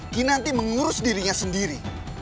kinandi mengurus dirinya sendiri